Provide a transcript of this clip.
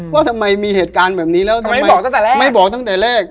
ว่าทำไมมีเหตุการณ์แบบนี้แล้วทำไมบอกตั้งแต่แรกไม่บอกตั้งแต่แรก